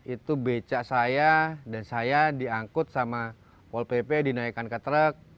itu becak saya dan saya diangkut sama pol pp dinaikkan ke truk